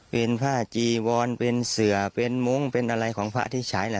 เป็นผ้าจีวอนเป็นเสือเป็นมงค์เป็นอะไรของพระที่ใช้ล่ะ